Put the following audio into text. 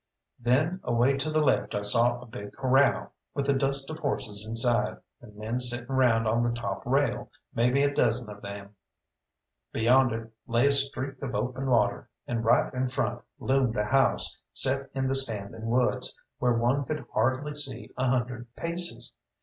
Then away to the left I saw a big corral, with a dust of horses inside, and men sitting round on the top rail, maybe a dozen of them. Beyond it lay a streak of open water, and right in front loomed a house, set in the standing woods, where one could hardly see a hundred paces.